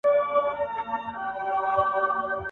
چی له ظلمه دي خلاص کړی یمه خوره یې ..